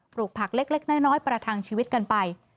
ลูกผักเล็กน้อยประทังชีวิตกันไป